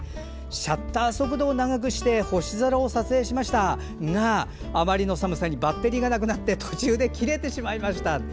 シャッター速度を長くして星空を撮影しましたがあまりの寒さにバッテリーがなくなって途中で切れてしまいましたと。